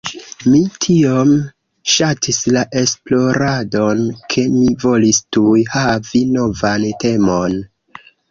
Mi tiom ŝatis la esploradon, ke mi volis tuj havi novan temon.